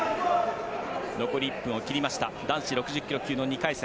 残り１分を切りました男子６０ｋｇ級の２回戦。